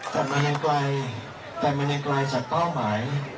แต่มันยังไกลแต่มันยังไกลจากเป้าหมาย